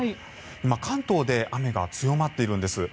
関東で雨が強まっているんです。